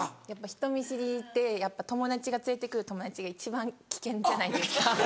人見知りってやっぱ友達が連れてくる友達が一番危険じゃないですか。